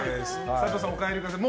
佐藤さん、お帰りください。